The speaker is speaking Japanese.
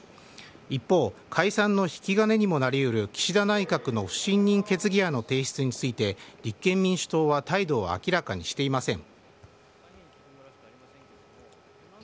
一方解散の引き金にもなりうる岸田内閣の不信任決議案の提出について立憲民主党は態度を明らかにしていません。